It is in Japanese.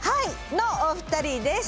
のお二人です。